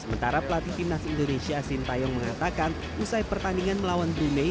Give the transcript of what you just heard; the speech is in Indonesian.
sementara pelatih timnas indonesia sintayong mengatakan usai pertandingan melawan brunei